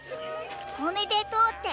おめでとうって？